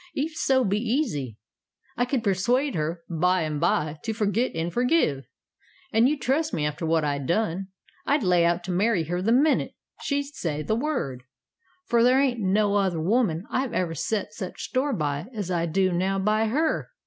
Ef so be ez I could persuade her by and by to forget an' forgive and you'd trust me after what I'd done I'd lay out to marry her the minute she'd say the word, fur there ain't no other woman I've ever set such store by as I do now by her.